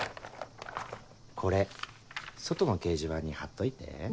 これ外の掲示板に張っといて。